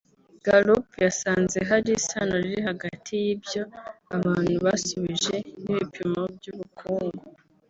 Gallup yasanze hari isano iri hagati y’ibyo abantu basubije n’ibipimo by’ubukungu